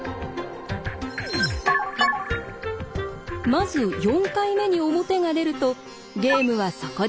まず４回目に表が出るとゲームはそこで終了します。